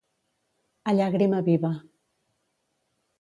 A llàgrima viva.